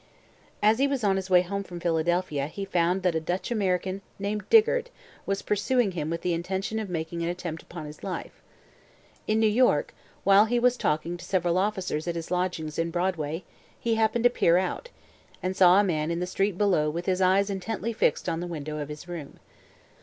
As he was on his way home from Philadelphia he found that a Dutch American, named Dygert, was pursuing him with the intention of making an attempt upon his life. In New York, while he was talking to several officers at his lodgings in Broadway, he happened to peer out, and saw a man in the street below with his eyes intently fixed on the window of his room.